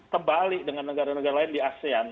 kembali dengan negara negara lain di asean